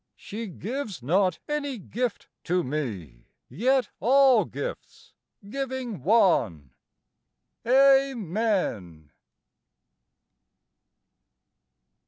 She gives not any gift to me Yet all gifts, giving one.... Amen.